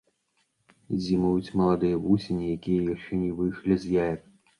Зімуюць маладыя вусені, якія яшчэ не выйшлі з яек.